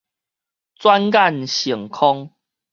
轉眼成空